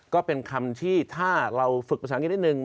ก็เป็นคำที่ถ้าเราฝึกภาษาอังกฤษนิดนึง